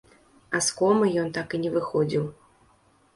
А з комы ён так і не выходзіў.